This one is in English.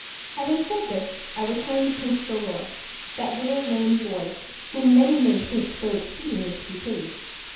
Having said this, I return to Prince Dolor, that little lame boy whom many may think so exceedingly to be pitied.